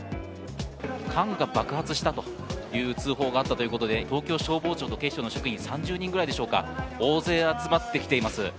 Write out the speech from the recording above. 缶が爆発したという通報があったということで東京消防庁と警視庁の職員、３０人くらいでしょうか、大勢集まってきています。